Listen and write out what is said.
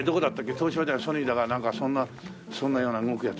東芝じゃないソニーだかなんかそんなそんなような動くやつ。